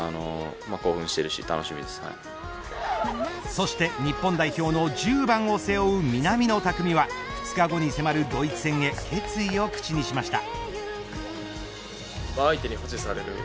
そして日本代表の１０番を背負う南野拓実は２日後に迫るドイツ戦へ決意を口にしました。